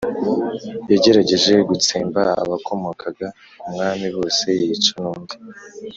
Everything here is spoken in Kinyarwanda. Yagerageje gutsemba abakomokaga ku mwami bose yica n undi